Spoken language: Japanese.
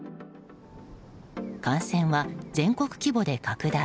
感染は全国規模で拡大。